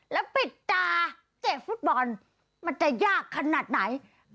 แล้วปิดตาเตะฟุตบอลมันจะยากขนาดไหน